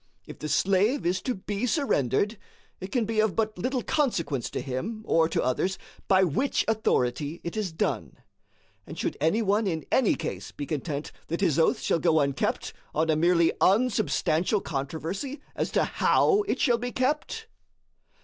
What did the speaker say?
If the slave is to be surrendered, it can be of but little consequence to him or to others by which authority it is done. And should any one in any case be content that his oath shall go unkept on a merely unsubstantial controversy as to HOW it shall be kept?